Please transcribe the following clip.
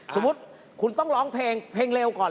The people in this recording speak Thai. สมมุติคุณต้องร้องเพลงเพลงเร็วก่อน